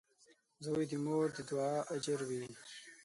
• زوی د مور د دعا اجر وي.